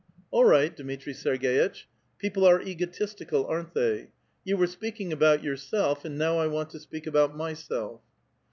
*' All right, Dmitri Serg6itch ; people are egotistical, aren't they? You were speaking about yourself, and now I want to speak aboat myself."